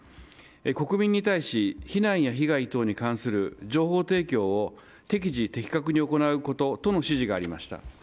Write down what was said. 国民に対し避難や被害等に関する情報提供を適時的確に行うこととの指示がありました。